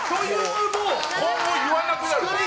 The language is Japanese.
今後、言わなくなる。